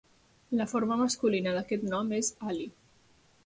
La forma masculina d'aquest nom és Ali.